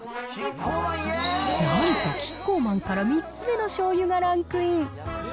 なんとキッコーマンから３つ目の醤油がランクイン。